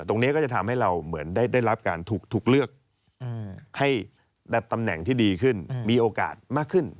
ตรงนี้ก็จะทำให้เราเหมือนได้รับการถูกเลือกให้ตำแหน่งที่ดีขึ้นมีโอกาสมากขึ้น